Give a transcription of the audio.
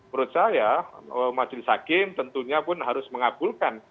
menurut saya majelis hakim tentunya pun harus mengabulkan